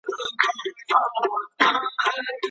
د یتیمانو روغتیا څوک څاري؟